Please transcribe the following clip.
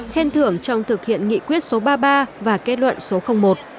khen thưởng trong thực hiện nghị quyết số ba mươi ba và kết luận số một